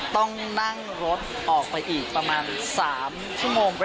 ต้องนั่งรถออกไปอีกประมาณ๓ชั่วโมง